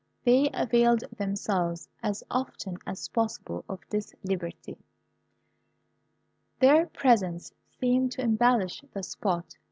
They availed themselves as often as possible of this liberty. Their presence seemed to embellish the spot.